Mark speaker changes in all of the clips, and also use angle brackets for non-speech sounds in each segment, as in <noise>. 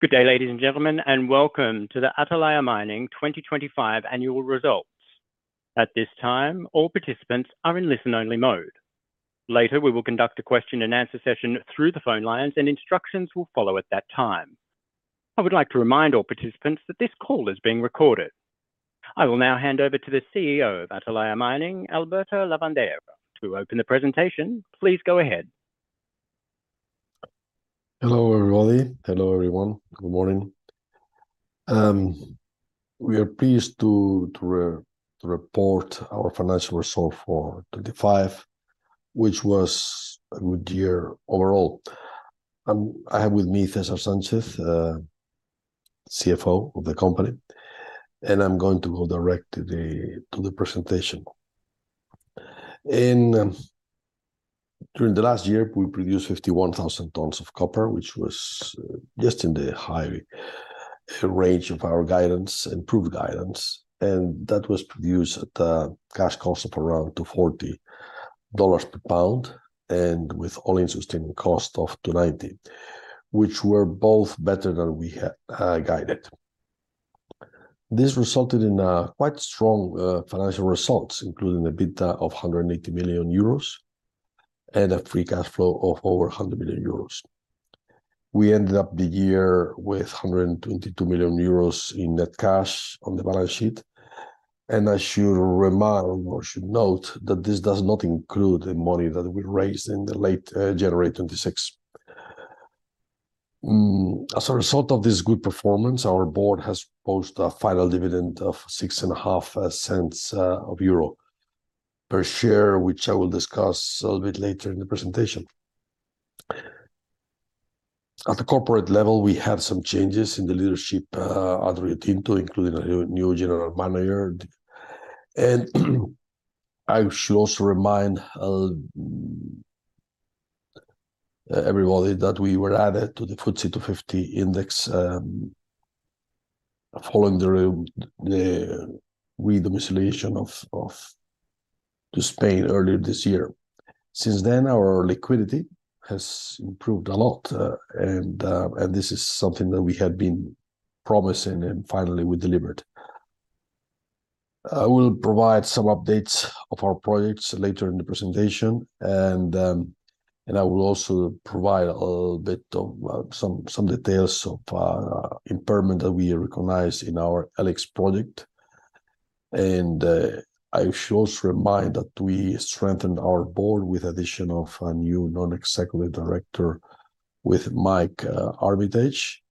Speaker 1: Good day, ladies and gentlemen, and welcome to the Atalaya Mining 2025 Annual Results. At this time, all participants are in listen-only mode. Later, we will conduct a question-and-answer session through the phone lines, and instructions will follow at that time. I would like to remind all participants that this call is being recorded. I will now hand over to the CEO of Atalaya Mining, Alberto Lavandeira, to open the presentation. Please go ahead.
Speaker 2: Hello, everybody. Hello, everyone. Good morning. We are pleased to report our financial results for 2025, which was a good year overall. I have with me César Sánchez, CFO of the company, and I'm going to go directly to the presentation. During the last year, we produced 51,000 tons of copper, which was just in the high range of our guidance, improved guidance. That was produced at a cash cost of around $2.40 per pound and with all-in sustaining cost of $2.90, which were both better than we guided. This resulted in quite strong financial results, including an EBITDA of 180 million euros and a free cash flow of over 100 million euros. We ended the year with 122 million euros in net cash on the balance sheet. I should remind or should note that this does not include the money that we raised in the late January 2026. As a result of this good performance, our board has posted a final dividend of 0.065 per share, which I will discuss a little bit later in the presentation. At the corporate level, we had some changes in the leadership under Riotinto, including a new general manager. I should also remind everybody that we were added to the FTSE 250 index, following the re-domiciliation to Spain earlier this year. Since then, our liquidity has improved a lot, and this is something that we had been promising and finally we delivered. I will provide some updates of our projects later in the presentation, and I will also provide a little bit of some details of impairment that we recognize in our E-LIX project. I should also remind that we strengthened our board with addition of a new non-executive director with Mike Armitage.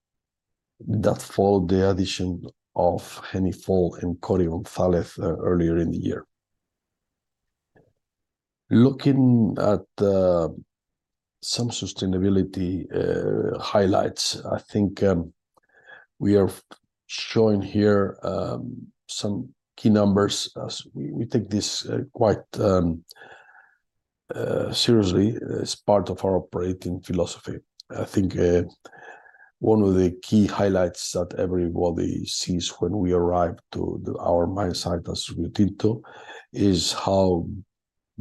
Speaker 2: That followed the addition of Hennie Faul and Corey Fontalex earlier in the year. Looking at some sustainability highlights, I think we are showing here some key numbers as we take this quite seriously as part of our operating philosophy. I think one of the key highlights that everybody sees when we arrive to our mine site at Riotinto is how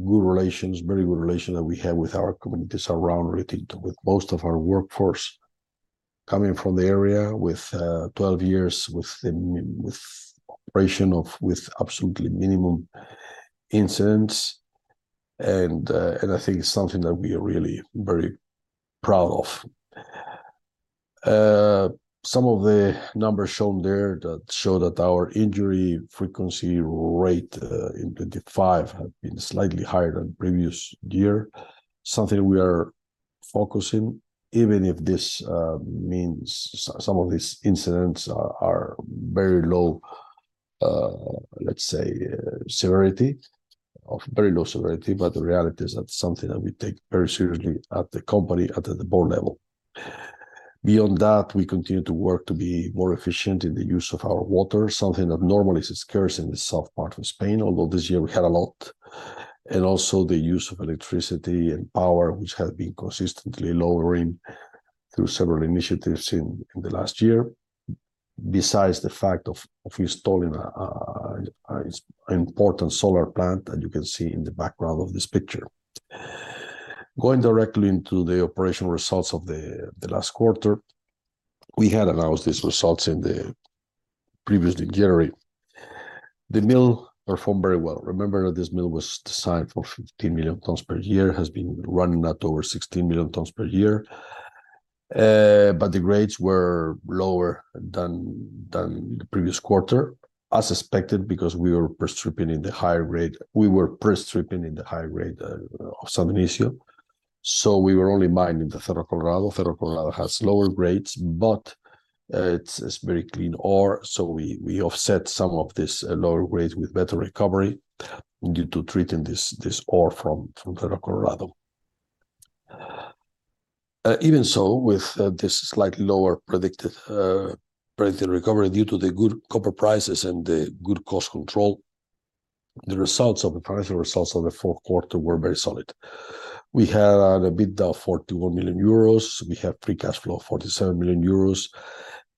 Speaker 2: good relations, very good relations that we have with our communities around Riotinto, with most of our workforce coming from the area with 12 years with operation of, with absolutely minimum incidents. I think it's something that we are really very proud of. Some of the numbers shown there that show that our injury frequency rate in 2025 have been slightly higher than previous year. Something we are focusing, even if this means some of these incidents are very low, let's say, severity, of very low severity. The reality is that's something that we take very seriously at the company at the board level. Beyond that, we continue to work to be more efficient in the use of our water, something that normally is scarce in the south part of Spain, although this year we had a lot. Also the use of electricity and power, which has been consistently lowering through several initiatives in the last year. Besides the fact of installing an important solar plant that you can see in the background of this picture. Going directly into the operational results of the last quarter. We had announced these results previously in January. The mill performed very well. Remember that this mill was designed for 15 million tons per year, has been running at over 16 million tons per year. But the grades were lower than the previous quarter, as expected, because we were pre-stripping in the higher grade. We were pre-stripping in the high grade of San Dionisio, so we were only mining the Cerro Colorado. Cerro Colorado has lower grades, but it's very clean ore, so we offset some of this lower grades with better recovery due to treating this ore from Cerro Colorado. Even so, with this slightly lower predicted recovery due to the good copper prices and the good cost control, the financial results of the fourth quarter were very solid. We had an EBITDA of 41 million euros. We have free cash flow of 47 million euros.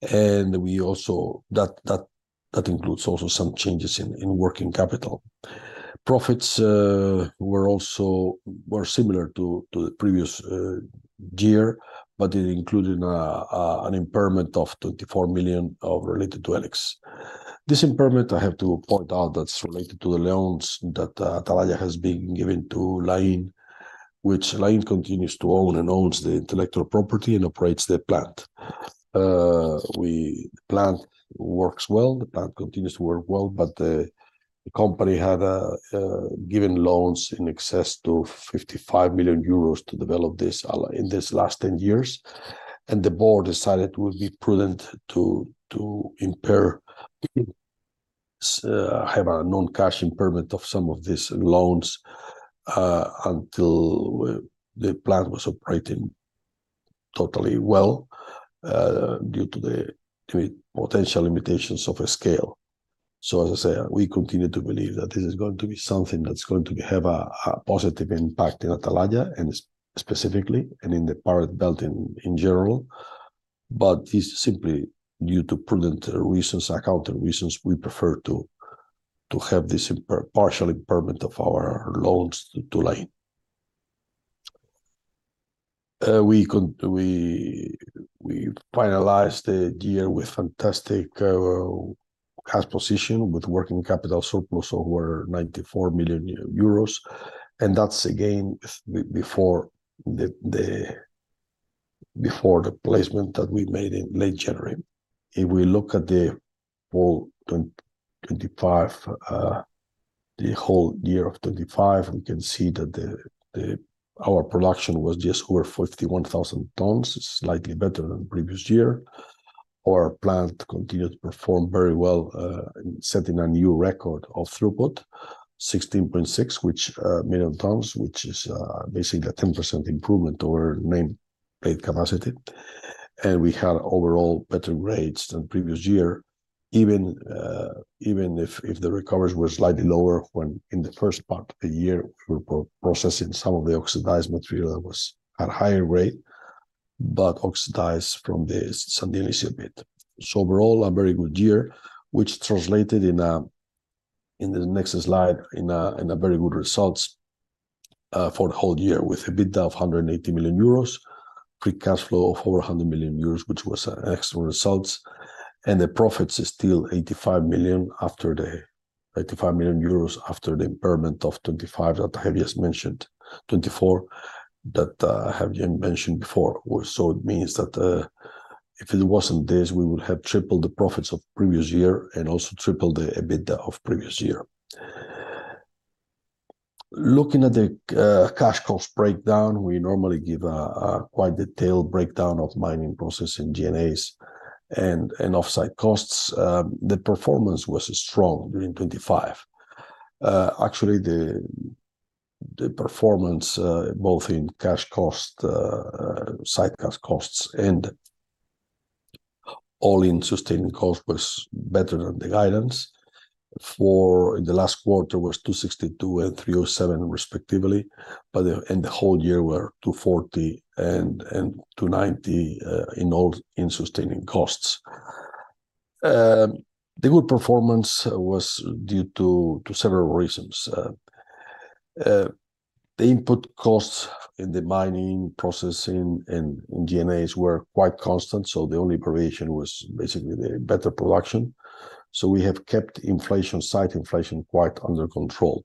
Speaker 2: That includes also some changes in working capital. Profits were also similar to the previous year, but it included an impairment of 24 million related to E-LIX. This impairment, I have to point out that is related to the loans that Atalaya has been giving to Lain, which Lain continues to own and owns the intellectual property and operates the plant. The plant works well. The plant continues to work well, but the company had given loans in excess of 55 million euros to develop this in this last 10 years, and the board decided it would be prudent to impair, have a non-cash impairment of some of these loans, until the plant was operating totally well, due to potential limitations of a scale. As I say, we continue to believe that this is going to be something that is going to have a positive impact in Atalaya and specifically and in the Pyrite Belt in general. This is simply due to prudent reasons, accounting reasons we prefer to have this partial impairment of our loans to Lain. We finalized the year with fantastic cash position, with working capital surplus over 94 million euros, and that's again before the placement that we made in late January. If we look at the whole 2025, the whole year of 2025, we can see that our production was just over 51,000 tons. It's slightly better than previous year. Our plant continued to perform very well, setting a new record of throughput, 16.6 million tons, which is basically a 10% improvement over nameplate capacity. We had overall better grades than previous year even if the recoveries were slightly lower when in the first part of the year we were processing some of the oxidized material that was at higher rate, but oxidized from the San Dionisio deposit. Overall, a very good year, which translated in the next slide in very good results for the whole year, with EBITDA of 180 million euros, free cash flow of over 100 million euros, which was excellent results, and the profits is still 85 million after the impairment of 2025 that Javier mentioned, 2024 that Javier mentioned before. It means that if it wasn't this, we would have tripled the profits of previous year and also tripled the EBITDA of previous year. Looking at the cash cost breakdown, we normally give a quite detailed breakdown of mining, processing, G&As, and off-site costs. The performance was strong during 2025. Actually, the performance both in cash cost, site cash costs and all-in sustaining cost was better than the guidance. In the last quarter was $2.62 and $3.07 respectively. The whole year were $2.40 and $2.90 in all-in sustaining costs. The good performance was due to several reasons. The input costs in the mining, processing, and in G&As were quite constant, so the only variation was basically the better production. We have kept inflation, site inflation quite under control.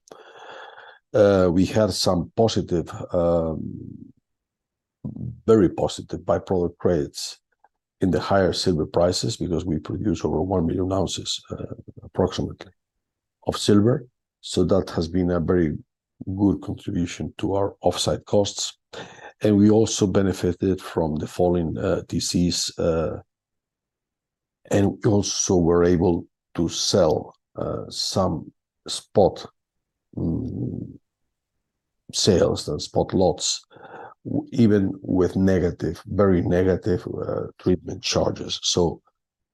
Speaker 2: We had some positive, very positive by-product credits in the higher silver prices because we produce over 1 million ounces, approximately, of silver. That has been a very good contribution to our off-site costs. We also benefited from the fall in TCs and also were able to sell some spot sales, some spot lots even with negative, very negative treatment charges.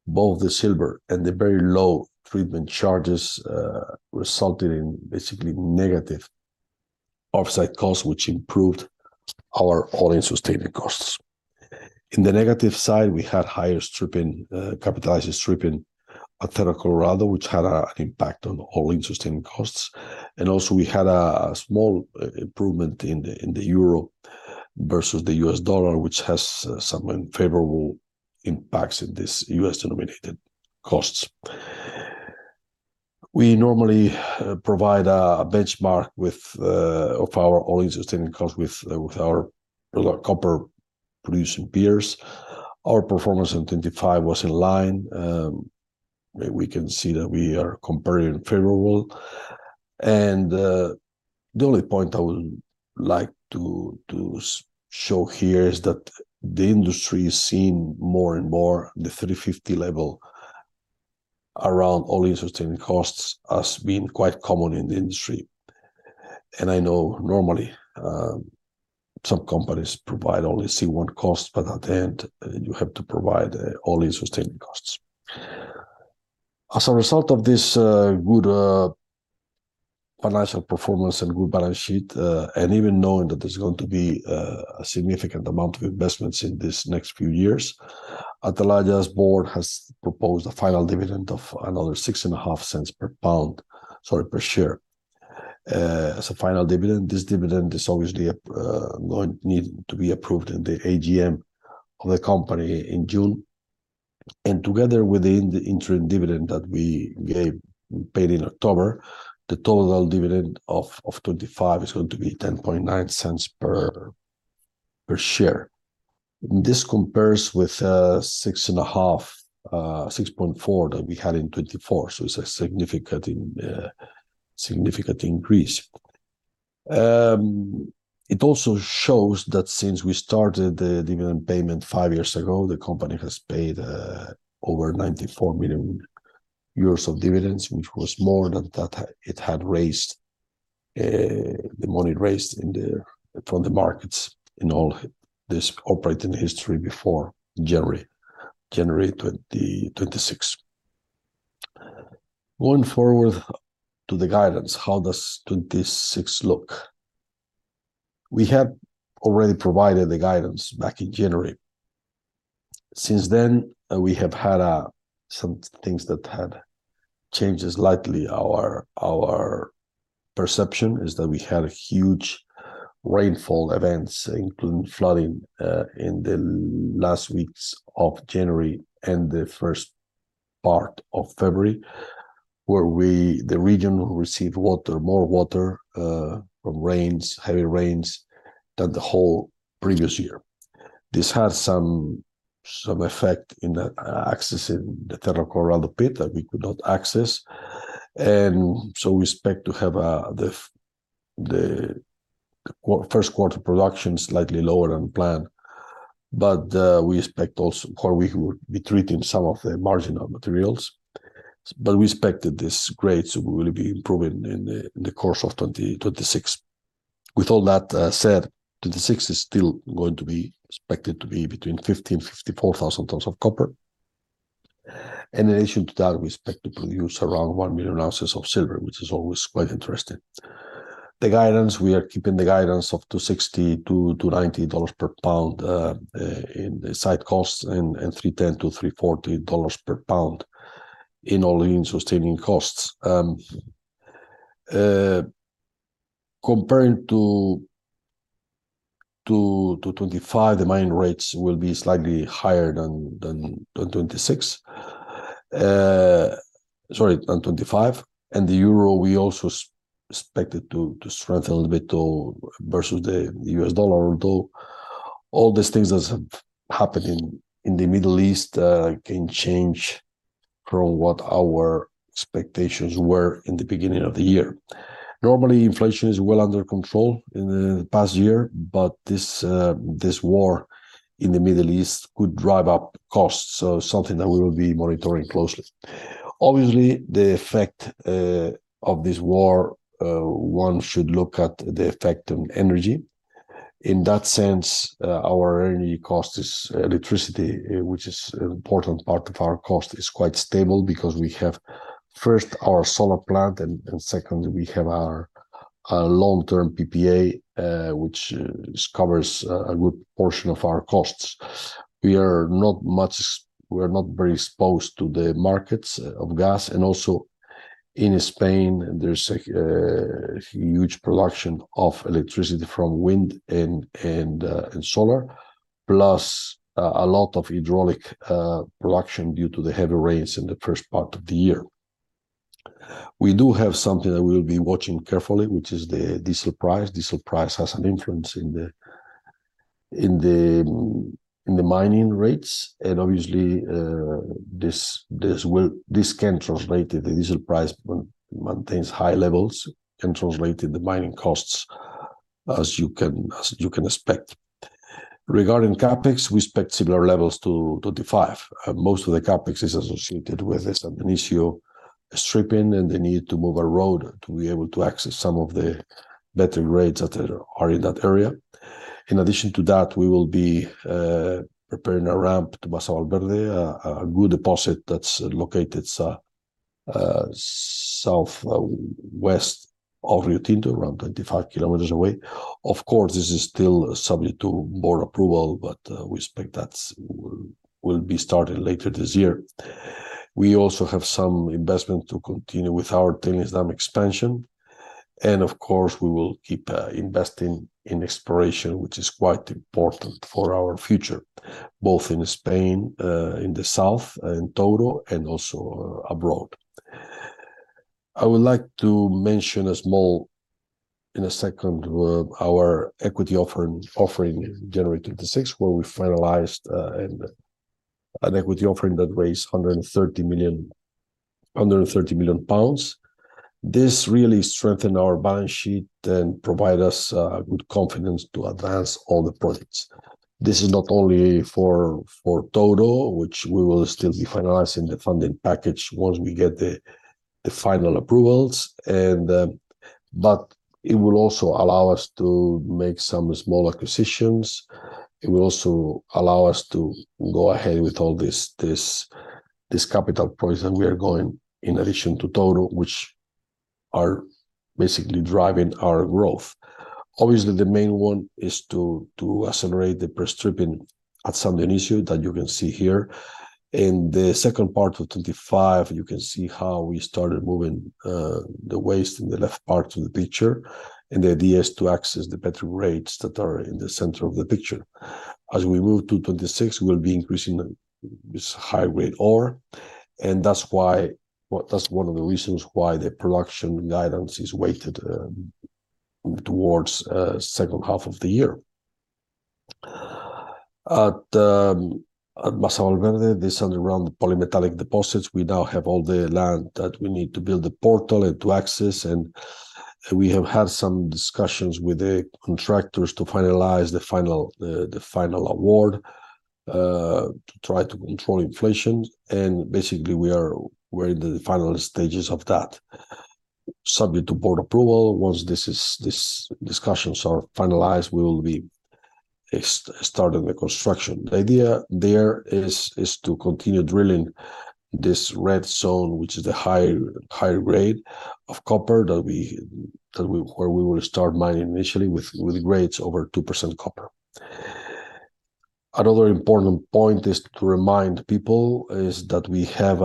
Speaker 2: Both the silver and the very low treatment charges resulted in basically negative off-site costs, which improved our all-in sustaining costs. In the negative side, we had higher capitalized stripping at Cerro Colorado, which had an impact on all-in sustaining costs. We also had a small improvement in the euro versus the US dollar, which has some unfavorable impacts in these US-denominated costs. We normally provide a benchmark of our all-in sustaining costs with our copper-producing peers. Our performance in 2025 was in line. We can see that we are comparing favorably. The only point I would like to show here is that the industry is seeing more and more the 3.50 level around all-in sustaining costs as being quite common in the industry. I know normally some companies provide only C1 costs, but in the end, you have to provide all-in sustaining costs. As a result of this good financial performance and good balance sheet and even knowing that there's going to be a significant amount of investments in these next few years. Atalaya's board has proposed a final dividend of another $0.065 per share as a final dividend. This dividend is obviously going to need to be approved in the AGM of the company in June. Together with the interim dividend that we paid in October, the total dividend for 2025 is going to be 0.109 per share. This compares with 0.064 that we had in 2024, so it's a significant increase. It also shows that since we started the dividend payment five years ago, the company has paid over 94 million euros of dividends, which was more than the money it raised from the markets in all this operating history before January 2026. Going forward to the guidance, how does 2026 look? We have already provided the guidance back in January. Since then, we have had some things that had changed slightly. Our perception is that we had huge rainfall events, including flooding, in the last weeks of January and the first part of February, the region received more water from heavy rains than the whole previous year. This had some effect in accessing the Cerro Colorado pit that we could not access. We expect to have the first quarter production slightly lower than planned. We expect also first quarter would be treating some of the marginal materials. We expect that these grades will be improving in the course of 2026. With all that said, 2026 is still going to be expected to be between 15,000 to 54,000 tons of copper. In addition to that, we expect to produce around 1 million ounces of silver, which is always quite interesting. The guidance, we are keeping the guidance of $2.60 to 2.90 per pound in the C1 costs and $3.10 to 3.14 per pound in all-in sustaining costs. Comparing to 2025, the mining rates will be slightly higher than 2026. Sorry, than 2025. The euro we also expect it to strengthen a little bit to 2025 versus the US dollar, although all these things that have happened in the Middle East can change from what our expectations were in the beginning of the year. Normally, inflation is well under control in the past year, but this war in the Middle East could drive up costs, so something that we will be monitoring closely. Obviously, the effect of this war, one should look at the effect on energy. In that sense, our energy cost is electricity, which is an important part of our cost, is quite stable because we have, first, our solar plant, and second, we have our long-term PPA, which covers a good portion of our costs. We are not very exposed to the markets of gas and also in Spain, there's a huge production of electricity from wind and solar, plus a lot of hydraulic production due to the heavy rains in the first part of the year. We do have something that we'll be watching carefully, which is the diesel price. Diesel price has an influence in the mining rates and obviously, this can translate it. The diesel price maintains high levels, can translate in the mining costs as you can expect. Regarding CapEx, we expect similar levels to 2025. Most of the CapEx is associated with San Dionisio stripping and the need to move a road to be able to access some of the better grades that are in that area. In addition to that, we will be preparing a ramp to Basin Alberdi, a good deposit that's located southwest of Riotinto, around 25 km away. Of course, this is still subject to board approval, but we expect that will be starting later this year. We also have some investment to continue with our tailings dam expansion. Of course, we will keep investing in exploration, which is quite important for our future, both in Spain, in the south, in Touro, and also abroad. I would like to mention, in a second, our equity offering in January 2026, where we finalized an equity offering that raised under 130 million pounds. This really strengthened our balance sheet and provide us good confidence to advance all the projects. This is not only for Touro, which we will still be finalizing the funding package once we get the final approvals but it will also allow us to make some small acquisitions. It will also allow us to go ahead with all this capital projects that we are going in addition to Touro, which are basically driving our growth. Obviously, the main one is to accelerate the pre-stripping at San Dionisio that you can see here. In the second part of 2025, you can see how we started moving the waste in the left part of the picture, and the idea is to access the better grades that are in the center of the picture. As we move to 2026, we'll be increasing this high-grade ore, and that's why. That's one of the reasons why the production guidance is weighted towards second half of the year. At Masa Valverde, this underground polymetallic deposits, we now have all the land that we need to build a portal and to access, and we have had some discussions with the contractors to finalize the final award to try to control inflation. Basically we're in the final stages of that. Subject to board approval, once this discussions are finalized, we will be starting the construction. The idea there is to continue drilling this red zone, which is the high grade of copper where we will start mining initially with grades over 2% copper. Another important point is to remind people that we have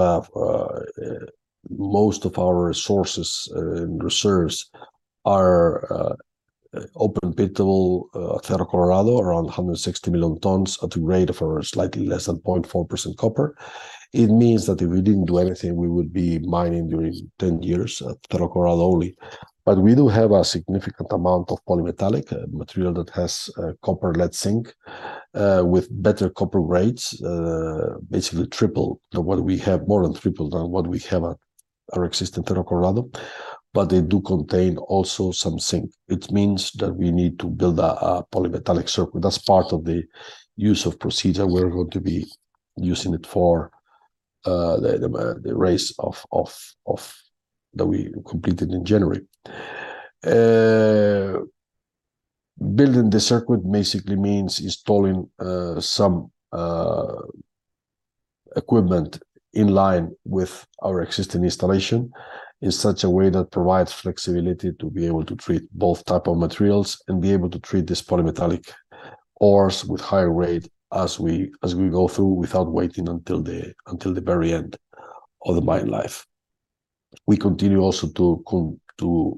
Speaker 2: most of our sources and reserves are open-pit-able. Cerro Colorado, around 160 million tons at a rate of slightly less than 0.4% copper. It means that if we didn't do anything, we would be mining for 10 years at Cerro Colorado only. We do have a significant amount of polymetallic material that has copper, lead, zinc with better copper grades. Basically more than triple than what we have at our existing Cerro Colorado, but they also contain some zinc. It means that we need to build a polymetallic circuit. That's part of the use of proceeds. We're going to be using it for the raise that we completed in January. Building the circuit basically means installing some equipment in line with our existing installation in such a way that provides flexibility to be able to treat both type of materials and be able to treat this polymetallic ores with higher rate as we go through without waiting until the very end of the mine life. We continue also to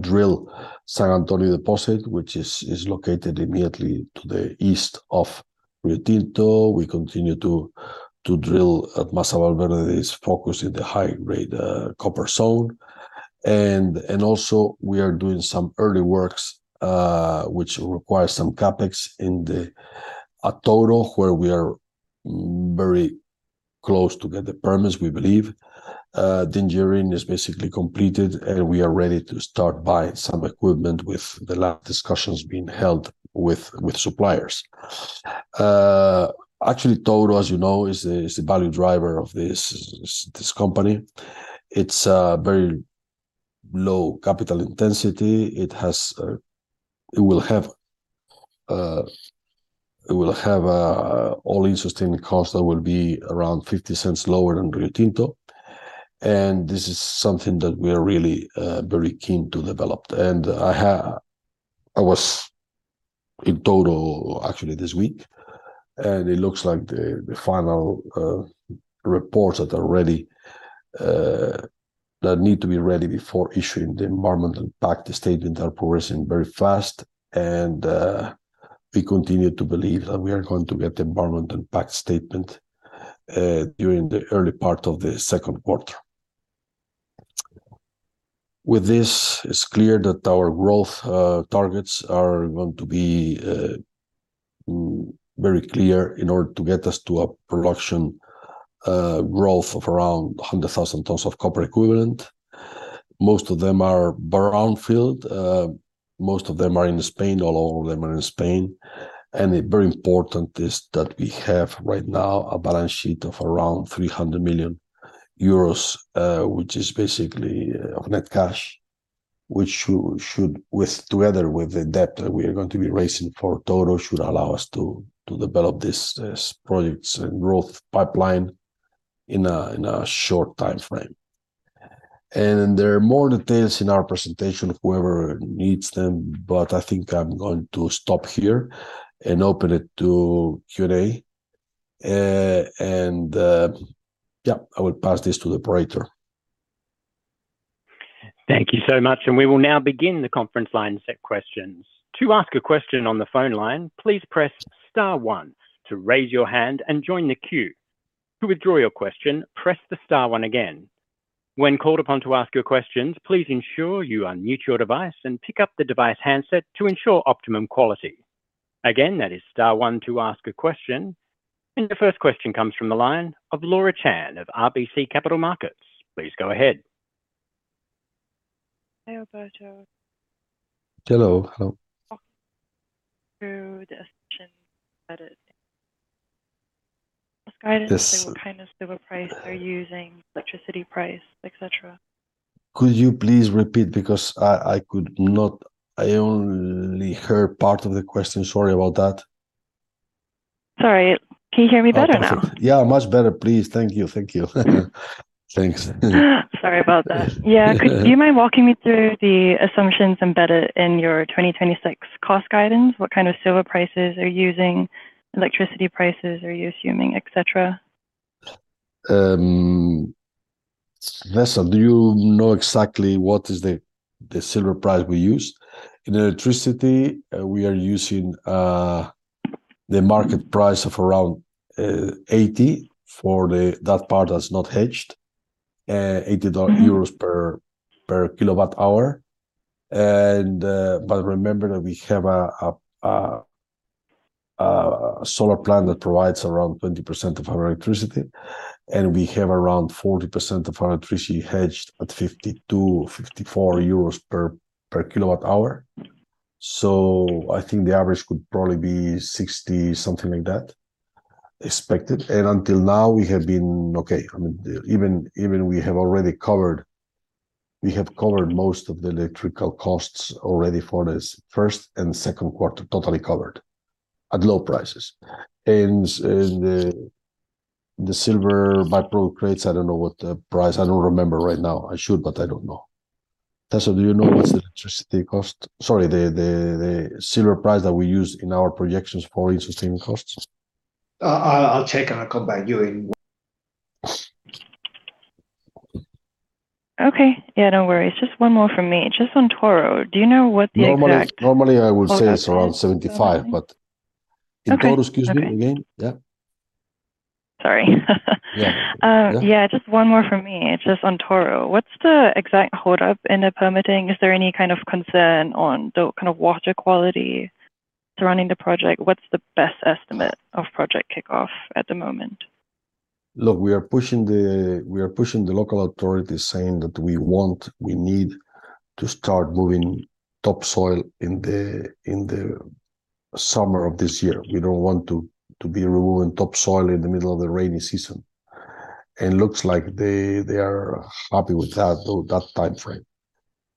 Speaker 2: drill San Dionisio deposit which is located immediately to the east of Riotinto. We continue to drill at Masa Valverde is focused in the high-grade copper zone. Also we are doing some early works which require some CapEx in the Touro, where we are very close to get the permits, we believe. The engineering is basically completed, and we are ready to start buying some equipment with the last discussions being held with suppliers. Actually Touro, as you know, is the value driver of this company. It's a very low capital intensity. It will have all-in sustaining costs that will be around 0.50 lower than Riotinto. This is something that we are really very keen to develop. I was in Touro actually this week, and it looks like the final reports that need to be ready before issuing the environmental impact statement are progressing very fast. We continue to believe that we are going to get the environmental impact statement during the early part of the second quarter. With this, it's clear that our growth targets are going to be very clear in order to get us to a production growth of around 100,000 tons of copper equivalent. Most of them are brownfield. Most of them are in Spain. All of them are in Spain. Very important is that we have right now a balance sheet of around 300 million euros, which is basically of net cash, which should together with the debt that we are going to be raising for Touro should allow us to develop this projects and growth pipeline in a short timeframe. There are more details in our presentation if whoever needs them, but I think I'm going to stop here and open it to Q&A. Yeah, I will pass this to the operator.
Speaker 1: Thank you so much, and we will now begin the conference line to take questions. To ask a question on the phone line, please press star one to raise your hand and join the queue. To withdraw your question, press star one again. When called upon to ask your questions, please ensure you unmute your device and pick up the device handset to ensure optimum quality. Again, that is star one to ask a question. The first question comes from the line of Laura Chan of RBC Capital Markets. Please go ahead.
Speaker 3: Hello.
Speaker 2: Hello.
Speaker 3: This guidance, what kind of silver price are you using, electricity price, et cetera?
Speaker 2: Could you please repeat because I could not. I only heard part of the question. Sorry about that.
Speaker 3: Sorry. Can you hear me better now?
Speaker 2: Oh, perfect. Yeah, much better. Please. Thank you. Thank you. Thanks.
Speaker 3: Sorry about that.
Speaker 2: Yeah... <crosstalk>
Speaker 3: Yeah. Do you mind walking me through the assumptions embedded in your 2026 cost guidance? What kind of silver prices are you using, electricity prices are you assuming, et cetera?
Speaker 2: César Sánchez, do you know exactly what is the silver price we use? In electricity, we are using the market price of around 80 for that part that's not hedged. 80 euros/kWh. Remember that we have a solar plant that provides around 20% of our electricity, and we have around 40% of our electricity hedged at 52 to 54/kWh. I think the average could probably be 60%, something like that, expected. Until now we have been okay. We have already covered most of the electrical costs for this first and second quarter, totally covered at low prices. The silver by-products, I don't know what the price. I don't remember right now. I should, but I don't know. César Sánchez, do you know what's the silver price that we use in our projections for all-in sustaining costs?
Speaker 4: I'll check and I'll come back to you.
Speaker 3: Okay. Yeah, no worries. Just one more from me. Just on Touro. Do you know what the exact... <crosstalk>
Speaker 2: Normally I would say it's around 75%, but... <crosstalk>
Speaker 3: Okay... <crosstalk>
Speaker 2: In Touro, excuse me again. Yeah.
Speaker 3: Sorry.
Speaker 2: Yeah.
Speaker 3: Yeah. Just one more from me. Just on Touro. What's the exact hold-up in the permitting? Is there any kind of concern on the kind of water quality surrounding the project? What's the best estimate of project kickoff at the moment?
Speaker 2: Look, we are pushing the local authorities saying that we want, we need to start moving topsoil in the summer of this year. We don't want to be removing topsoil in the middle of the rainy season. It looks like they are happy with that, though, that timeframe.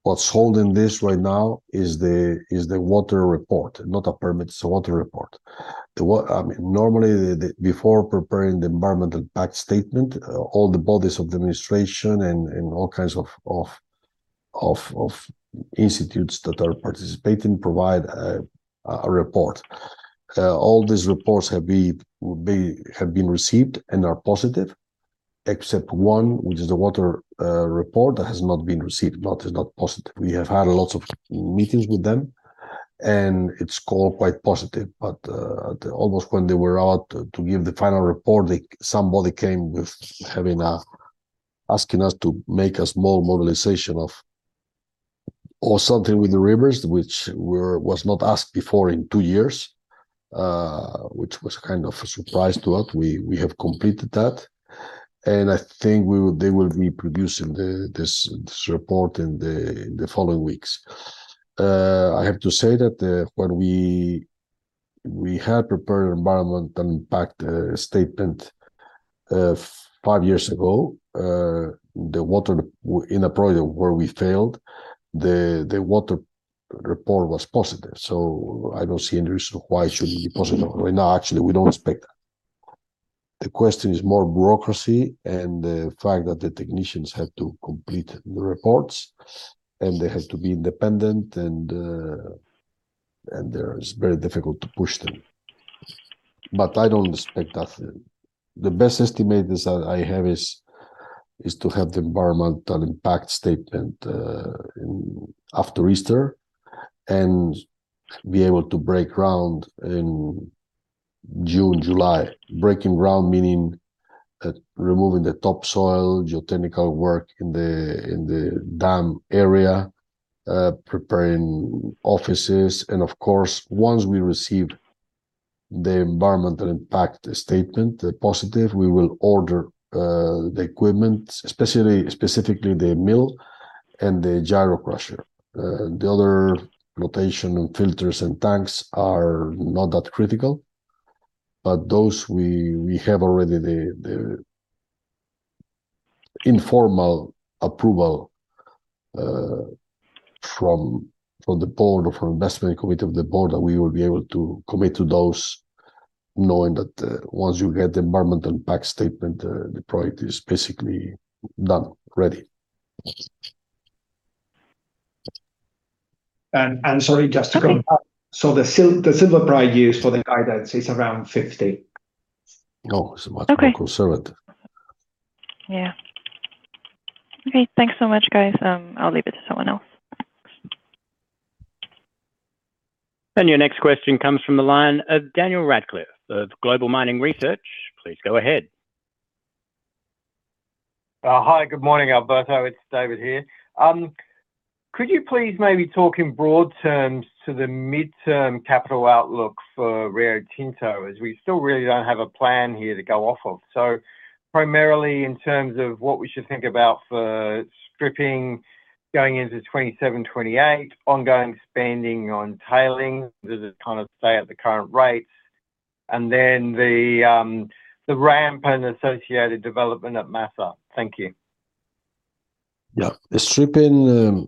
Speaker 2: What's holding this right now is the water report. Not a permit, it's a water report. Normally, before preparing the environmental impact statement, all the bodies of the administration and all kinds of institutes that are participating provide a report. All these reports have been received and are positive, except one, which is the water report that has not been received, but is not positive. We have had lots of meetings with them, and it's all quite positive. Almost when they were about to give the final report, somebody came asking us to make a small modeling of or something with the rivers, which was not asked before in two years, which was kind of a surprise to us. We have completed that, and I think they will be producing this report in the following weeks. I have to say that when we had prepared an environmental impact statement five years ago, in a project where we failed, the water report was positive. I don't see any reason why it shouldn't be positive right now. Actually, we don't expect that. The question is more bureaucracy and the fact that the technicians have to complete the reports, and they have to be independent and it's very difficult to push them. I don't expect that. The best estimate that I have is to have the environmental impact statement after Easter and be able to break ground in June, July. Breaking ground, meaning removing the topsoil, geotechnical work in the dam area, preparing offices. Of course, once we receive the environmental impact statement, the positive, we will order the equipment, specifically the mill and the gyratory crusher. The other rotation and filters and tanks are not that critical, but those, we have already the informal approval from the board or from investment committee of the board that we will be able to commit to those, knowing that once you get the environmental impact statement, the project is basically done, ready.
Speaker 4: Sorry, just to come back... <crosstalk>
Speaker 3: Okay.
Speaker 4: The silver price used for the guidance is around 50%.
Speaker 2: No. It's much more conservative.
Speaker 3: Okay. Yeah. Okay. Thanks so much, guys. I'll leave it to someone else.
Speaker 1: Your next question comes from the line of David Radclyffe of Global Mining Research. Please go ahead.
Speaker 5: Hi. Good morning, Alberto. It's David here. Could you please maybe talk in broad terms to the mid-term CapEx outlook for Riotinto, as we still really don't have a plan here to go off of. Primarily in terms of what we should think about for stripping going into 2027, 2028, ongoing spending on tailings. Does it kind of stay at the current rates? Then the ramp and associated development at Masa Valverde. Thank you.
Speaker 2: Yeah. The stripping,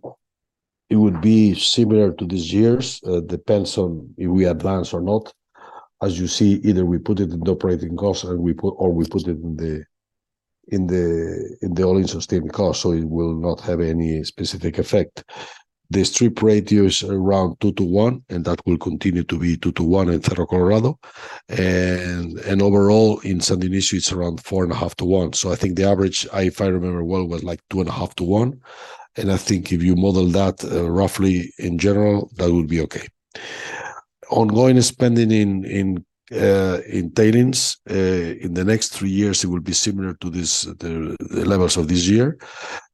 Speaker 2: it would be similar to these years. Depends on if we advance or not. As you see, either we put it in the operating costs or we put it in the all-in sustaining cost, so it will not have any specific effect. The strip ratio is around 2x to 1x, and that will continue to be 2x to 1x in Cerro Colorado. Overall, in San Dionisio, it's around 4.5x to 1x. I think the average, if I remember well, was like 2.5x to 1x. I think if you model that roughly in general, that would be okay. Ongoing spending in tailings in the next three years, it will be similar to the levels of this year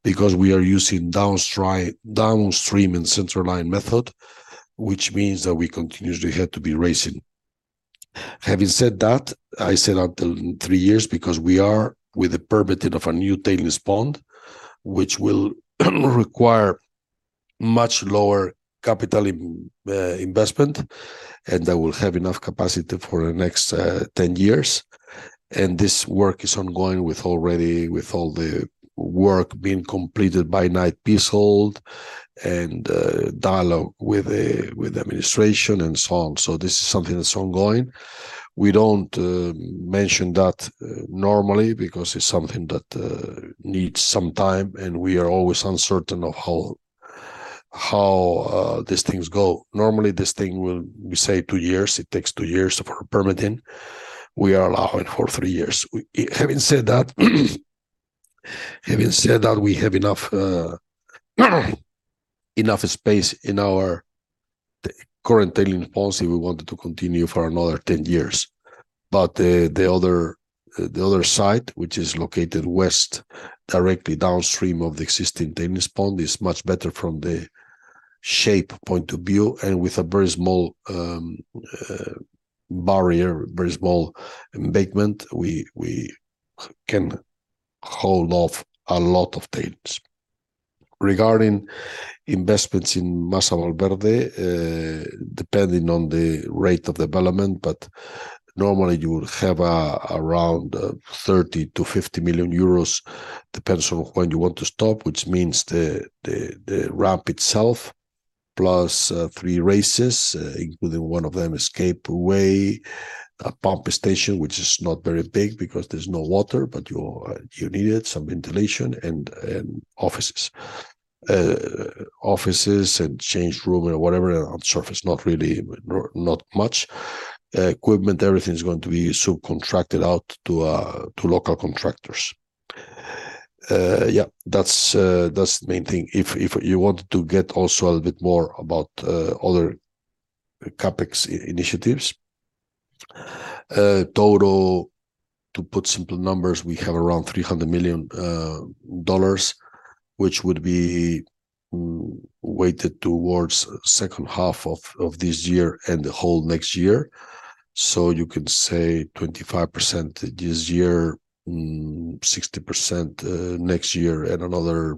Speaker 2: because we are using downstream and centerline method, which means that we continuously had to be raising. Having said that, I said up till three years because we are with the permitting of a new tailings pond, which will require much lower capital investment, and that will have enough capacity for the next 10 years. This work is ongoing with all the work being completed by Knight Piésold and dialogue with the administration and so on. This is something that's ongoing. We don't mention that normally because it's something that needs some time, and we are always uncertain of how these things go. Normally, this thing will, we say two years. It takes two years for permitting. We are allowing for three years. Having said that, we have enough space in our current tailings policy. We wanted to continue for another 10 years. The other site, which is located west directly downstream of the existing tailings pond, is much better from the shape point of view and with a very small barrier, very small embankment. We can hold off a lot of tailings. Regarding investments in Masa Valverde, depending on the rate of development, but normally you will have around 30 to 50 million, depends on when you want to stop, which means the ramp itself plus three raises, including one of them escape way, a pump station, which is not very big because there's no water, but you need it, some ventilation and offices. Offices and change room or whatever on surface, not really, not much. Equipment, everything is going to be subcontracted out to local contractors. Yeah, that's the main thing. If you want to get also a little bit more about other CapEx initiatives. Total, to put simple numbers, we have around $300 million, which would be weighted towards second half of this year and the whole next year. You could say 25% this year, 60% next year and another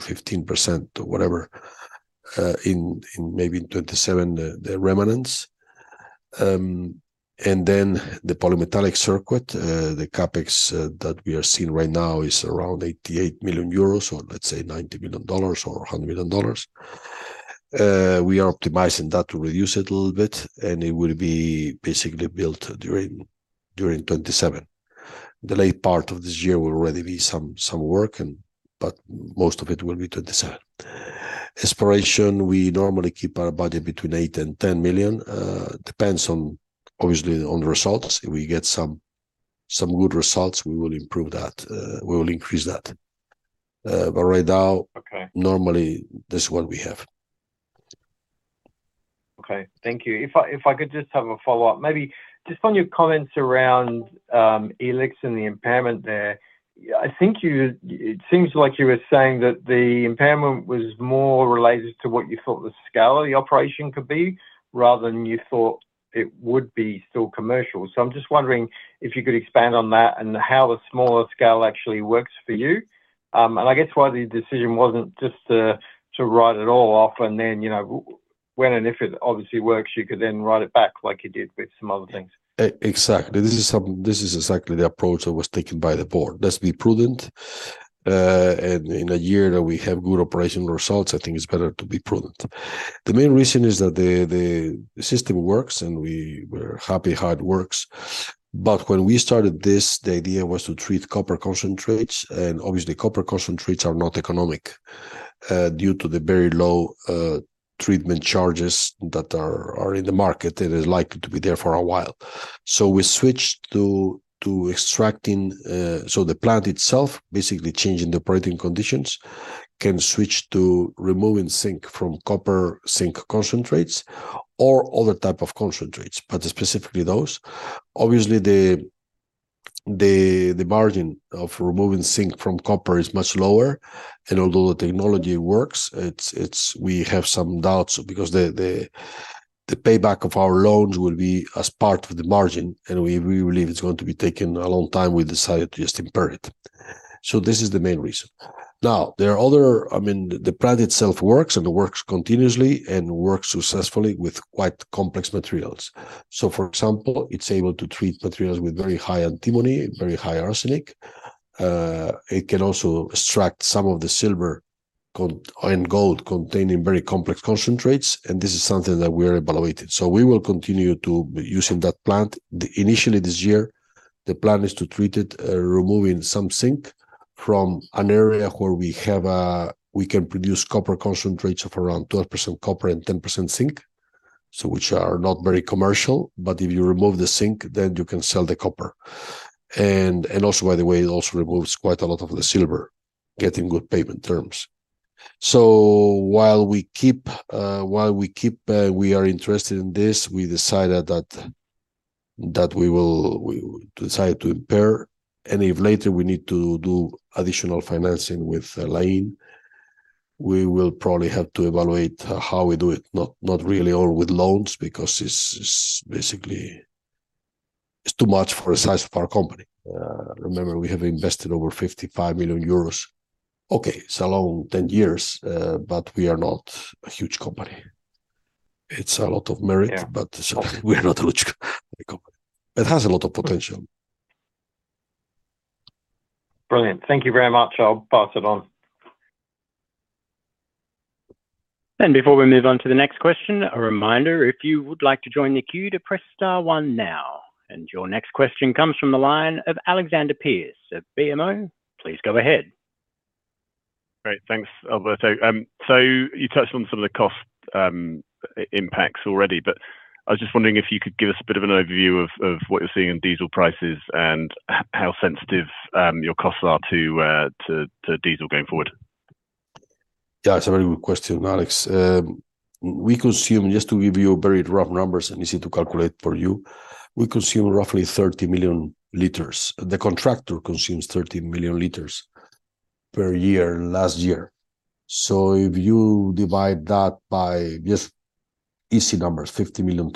Speaker 2: 15% or whatever in maybe 2027, the remnants. Then the polymetallic circuit, the CapEx that we are seeing right now is around 88 million euros or let's say $90 million or $100 million. We are optimizing that to reduce it a little bit, and it will be basically built during 2027. The late part of this year will already be some work, but most of it will be 2027. Exploration, we normally keep our budget between 8 million and 10 million. Depends obviously on the results. If we get some good results, we will improve that. We will increase that. Right now... <crosstalk>
Speaker 5: Okay.
Speaker 2: Normally, this is what we have.
Speaker 5: Okay. Thank you. If I could just have a follow-up. Maybe just on your comments around E-LIX and the impairment there. I think it seems like you were saying that the impairment was more related to what you thought the scale of the operation could be rather than you thought it would be still commercial. I'm just wondering if you could expand on that and how the smaller scale actually works for you. And I guess why the decision wasn't just to write it all off and then, you know, when and if it obviously works, you could then write it back like you did with some other things.
Speaker 2: Exactly. This is exactly the approach that was taken by the board. Let's be prudent. In a year that we have good operational results, I think it's better to be prudent. The main reason is that the system works, and we're happy how it works. When we started this, the idea was to treat copper concentrates, and obviously, copper concentrates are not economic due to the very low treatment charges that are in the market and is likely to be there for a while. We switched to extracting. The plant itself, basically changing the operating conditions, can switch to removing zinc from copper-zinc concentrates or other type of concentrates, but specifically those. Obviously, the margin of removing zinc from copper is much lower. Although the technology works, it's we have some doubts because the payback of our loans will be as part of the margin, and we believe it's going to be taking a long time. We decided to just impair it. This is the main reason. Now, there are other, I mean, the plant itself works, and it works continuously and works successfully with quite complex materials. For example, it's able to treat materials with very high antimony, very high arsenic, it can also extract some of the silver and gold containing very complex concentrates, and this is something that we are evaluating. We will continue to using that plant. Initially this year, the plan is to treat it, removing some zinc from an area where we have, we can produce copper concentrates of around 12% copper and 10% zinc, so which are not very commercial, but if you remove the zinc, then you can sell the copper. Also by the way, it also removes quite a lot of the silver, getting good payment terms. While we are interested in this, we decided to impair. If later we need to do additional financing with Lain, we will probably have to evaluate how we do it. Not really all with loans because it's basically too much for the size of our company. Remember we have invested over 55 million euros. Okay. It's a long 10 years, but we are not a huge company. It's a lot of merit.
Speaker 5: Yeah.
Speaker 2: We are not a huge company. It has a lot of potential.
Speaker 5: Brilliant. Thank you very much. I'll pass it on.
Speaker 1: Before we move on to the next question, a reminder, if you would like to join the queue, to press star one now. Your next question comes from the line of Alexander Pearce at BMO. Please go ahead.
Speaker 6: Great. Thanks, Alberto. You touched on some of the cost impacts already, but I was just wondering if you could give us a bit of an overview of what you're seeing in diesel prices and how sensitive your costs are to diesel going forward.
Speaker 2: Yeah, it's a very good question, Alex. We consume, just to give you very rough numbers and easy to calculate for you, we consume roughly 30 million liters. The contractor consumes 30 million liters per year last year. If you divide that by just easy numbers, 50 million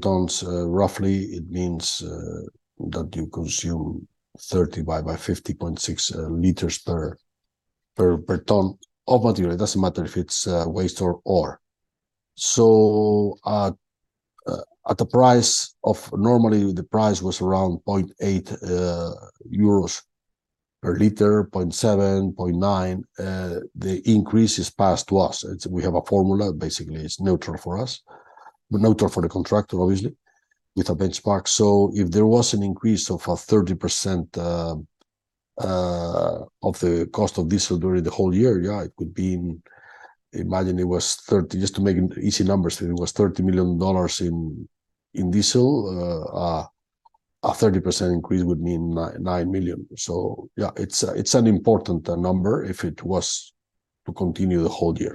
Speaker 2: tons roughly, it means that you consume 30 by 50.6 liters per ton of material. It doesn't matter if it's waste or ore. At a price of normally the price was around 0.8 euros per liter, 0.7 to 0.9, the increase is passed to us. We have a formula. Basically, it's neutral for us, but neutral for the contractor, obviously, with a benchmark. If there was an increase of 30% of the cost of diesel during the whole year, it could be. Imagine it was 30%, just to make easy numbers, it was $30 million in diesel. A 30% increase would mean $9 million. Yeah, it's an important number if it was to continue the whole year.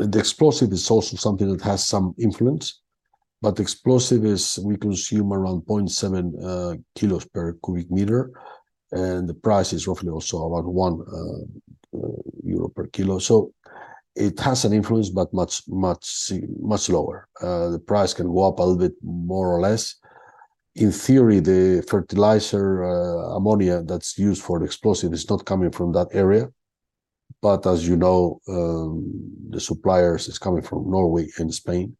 Speaker 2: Explosives are also something that has some influence, but explosives we consume around 0.7 kilos per cubic meter, and the price is roughly also around 1 euro per kilo. It has an influence, but much, much, much lower. The price can go up a little bit more or less. In theory, the fertilizer ammonia that's used for the explosives is not coming from that area. As you know, the suppliers is coming from Norway and Spain.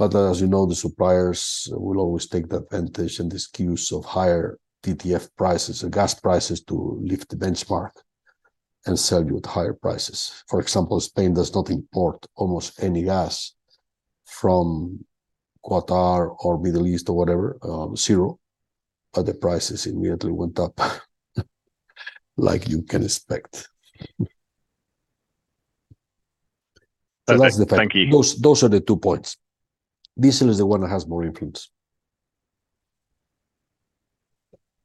Speaker 2: As you know, the suppliers will always take the advantage and the skews of higher TTF prices or gas prices to lift the benchmark and sell you at higher prices. For example, Spain does not import almost any gas from Qatar or Middle East or whatever, zero. The prices immediately went up like you can expect. That's the fact.
Speaker 6: Thank you... <crosstalk>
Speaker 2: Those are the two points. Diesel is the one that has more influence.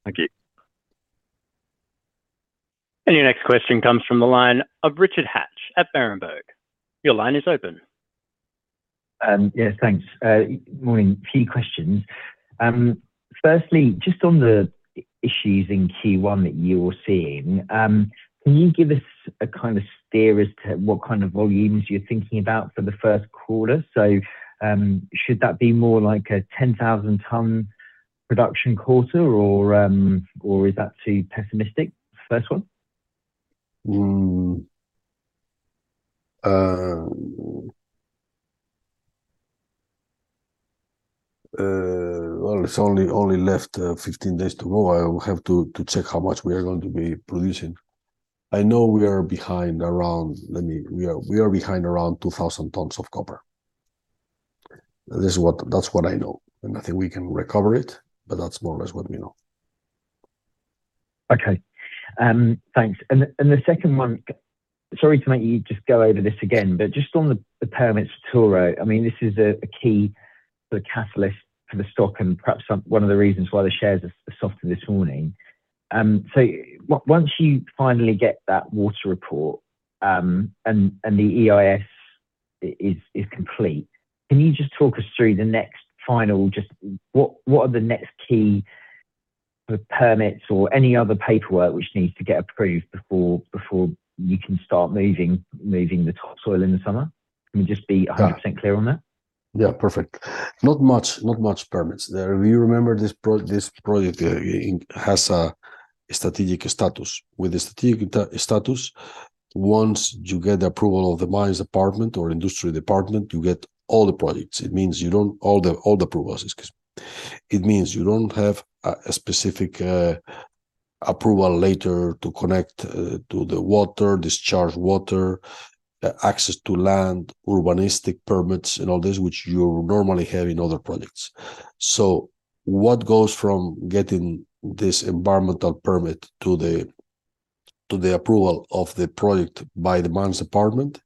Speaker 6: Thank you.
Speaker 1: Your next question comes from the line of Richard Hatch at Berenberg. Your line is open.
Speaker 7: Yes. Thanks. Morning. Few questions. Firstly, just on the issues in first quarter that you're seeing, can you give us a kind of steer as to what kind of volumes you're thinking about for the first quarter? Should that be more like a 10,000-ton production quarter or is that too pessimistic? First one.
Speaker 2: Well, it's only left 15 days to go. I have to check how much we are going to be producing. I know we are behind around 2,000 tons of copper. That's what I know. I think we can recover it, but that's more or less what we know.
Speaker 7: Okay. Thanks. The second one, sorry to make you just go over this again, but just on the permits at Touro, I mean, this is a key catalyst for the stock and perhaps one of the reasons why the shares are softer this morning. So, once you finally get that water report, and the EIS is complete, can you just talk us through the next final just what are the next key permits or any other paperwork which needs to get approved before you can start moving the topsoil in the summer? Can you just be 100% clear on that?
Speaker 2: Yeah. Perfect. Not much permits. If you remember this project, it has a strategic status. With the strategic status, once you get the approval of the mines department or industry department, you get all the approvals. It means you don't have a specific approval later to connect to the water, discharge water, access to land, urbanistic permits, and all this which you normally have in other projects. What goes from getting this environmental permit to the approval of the project by the mines department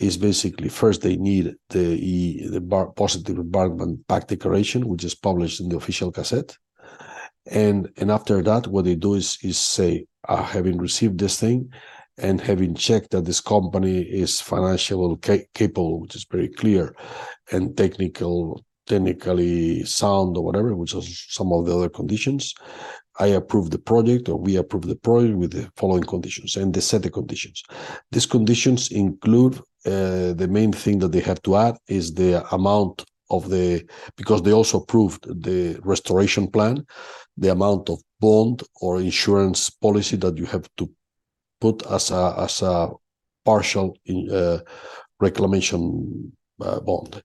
Speaker 2: is basically first they need the positive Environmental Impact Declaration, which is published in the Official Gazette. After that, what they do is say, "having received this thing and having checked that this company is financially capable," which is very clear, "and technically sound or whatever," which is some of the other conditions, "I approve the project," or, "We approve the project with the following conditions," and they set the conditions. These conditions include, the main thing that they have to add is the amount because they also approved the restoration plan, the amount of bond or insurance policy that you have to put as a partial in reclamation bond.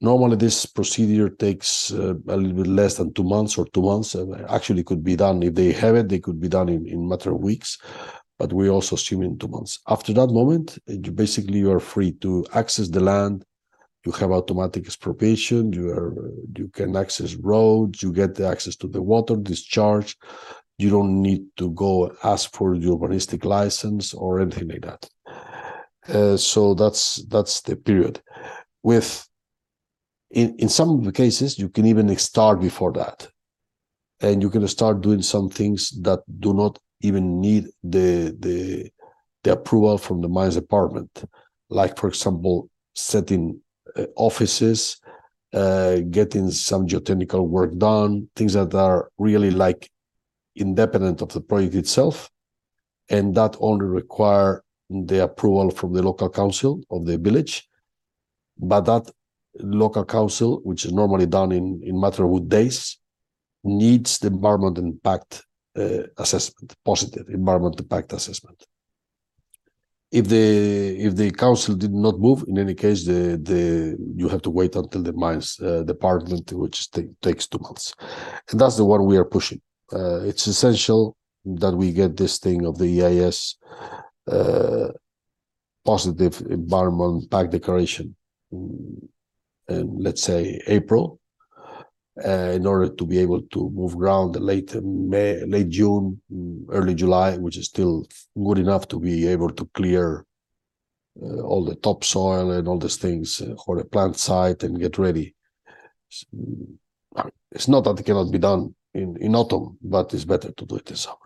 Speaker 2: Normally, this procedure takes a little bit less than two months or two months. Actually could be done, if they have it, they could be done in matter of weeks, but we also assume in two months. After that moment, you basically are free to access the land. You have automatic expropriation. You can access roads. You get the access to the water discharge. You don't need to go ask for the urbanistic license or anything like that. That's the period. In some of the cases, you can even start before that, and you can start doing some things that do not even need the approval from the mines department. Like for example, setting offices, getting some geotechnical work done, things that are really, like, independent of the project itself, and that only require the approval from the local council of the village. That local council, which is normally done in a matter of days, needs the environmental impact assessment, positive environmental impact assessment. If the council did not move, in any case, you have to wait until the mines department, which takes two months. That's the one we are pushing. It's essential that we get this thing of the EIS, positive Environmental Impact Declaration in, let's say, April, in order to be able to move around late May, late June, early July, which is still good enough to be able to clear all the topsoil and all these things for the plant site and get ready. It's not that it cannot be done in autumn, but it's better to do it in summer.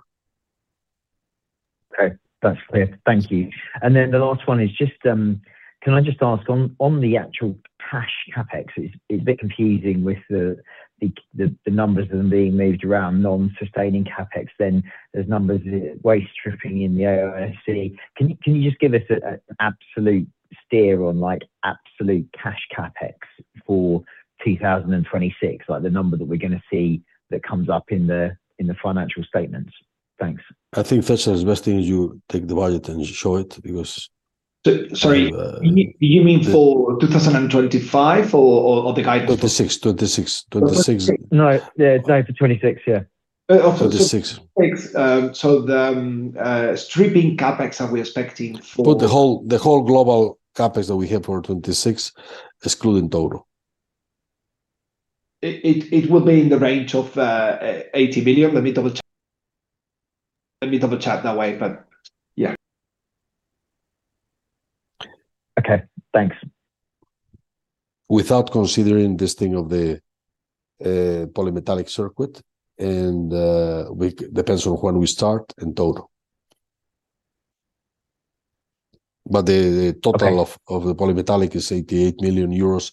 Speaker 7: Okay. That's clear. Thank you. Then the last one is just, can I just ask on the actual cash CapEx, it's a bit confusing with the numbers of them being moved around non-sustaining CapEx, then there's numbers, waste stripping in the OpEx & CapEx. Can you just give us a absolute steer on, like, absolute cash CapEx for 2026, like the number that we're gonna see that comes up in the financial statements? Thanks.
Speaker 2: I think, César, the best thing is you take the wallet and show it because.
Speaker 4: So-sorry... <crosstalk>
Speaker 2: Some, uh... <crosstalk>
Speaker 4: You mean for 2025 or the guidance for... <crosstalk>
Speaker 2: 2026.
Speaker 7: 2026. No. Yeah. Date for 2026. Yeah.
Speaker 4: Uh, also... <crosstalk>
Speaker 2: 2026.
Speaker 4: 2026. The stripping CapEx are we expecting for... <crosstalk>
Speaker 2: Put the whole global CapEx that we have for 2026 excluding Touro.
Speaker 4: It will be in the range of 80 million. Let me double check that way. Yeah.
Speaker 7: Okay. Thanks.
Speaker 2: Without considering this thing of the polymetallic circuit and depends on when we start in total. The total... <crosstalk>
Speaker 7: Okay.
Speaker 2: Of the polymetallic is 88 million euros.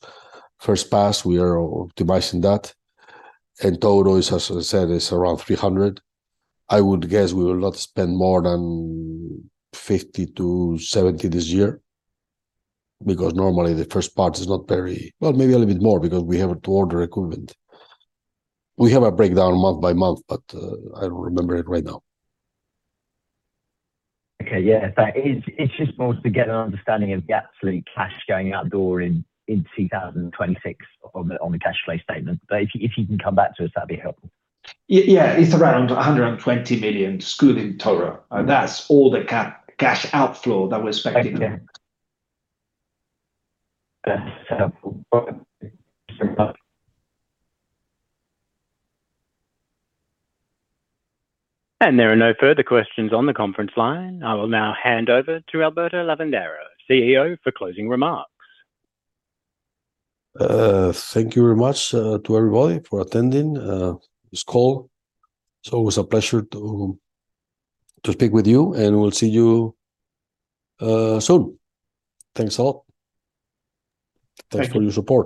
Speaker 2: First pass, we are optimizing that. Total is, as I said, around 300 million. I would guess we will not spend more than 50 to 70 million this year because normally the first part is not very. Well, maybe a little bit more because we have to order equipment. We have a breakdown month by month, but I don't remember it right now.
Speaker 7: Okay. Yeah. It's just more to get an understanding of the absolute cash going out the door in 2026 on the cash flow statement. If you can come back to us, that'd be helpful.
Speaker 4: Yeah. It's around 100 million excluding Touro. That's all the cash outflow that we're expecting.
Speaker 7: Thank you. That's helpful. Okay. Thank you so much.
Speaker 1: There are no further questions on the conference line. I will now hand over to Alberto Lavandeira, CEO, for closing remarks.
Speaker 2: Thank you very much to everybody for attending this call. It's always a pleasure to speak with you, and we'll see you soon. Thanks a lot.
Speaker 4: Thank you... <crosstalk>
Speaker 2: Thanks for your support.